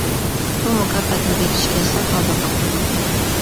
بۇ مۇكاپاتنى بېرىشكە سەل بالدۇرلۇق قىلىدۇ.